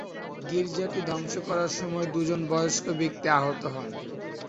গির্জাটি ধ্বংস করার সময় দুজন বয়স্ক ব্যক্তি আহত হন।